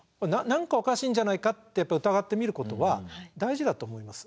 何かおかしいんじゃないかってやっぱ疑ってみることは大事だと思います。